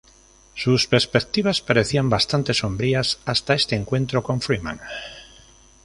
Sus perspectivas parecían bastante sombrías hasta este encuentro con Freeman.